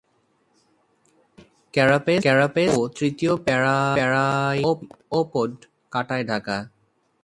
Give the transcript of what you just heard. পেট, carapace ও তৃতীয় pereiopod কাঁটায় ঢাকা।